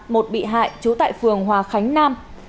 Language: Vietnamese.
một bị hại trú tại phường hòa khánh nam